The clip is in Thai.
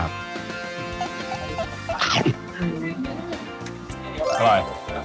อร่อย